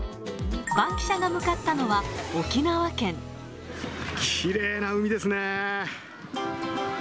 バンキシャが向かったのは、きれいな海ですね。